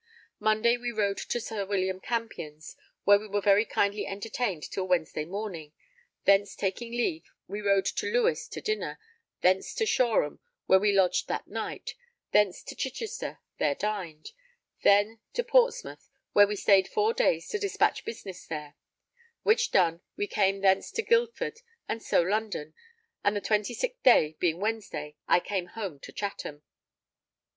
Monday we rode to one Sir William Campion's, where we were very kindly entertained till Wednesday morning; thence taking leave we rode to Lewes to dinner; thence to Shoreham, where we lodged that night; thence to Chichester, there dined; then to Portsmouth where we stayed four days to despatch business there; which done, we came thence to Guildford; so to London; and the 26th day, being Wednesday, I came home to Chatham.